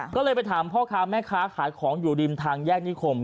ก็เลยไปถามพ่อค้าแม่ค้าขายของอยู่ริมทางแยกนิคม